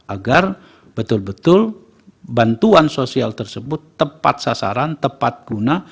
agar betul betul bantuan sosial tersebut tepat sasaran tepat guna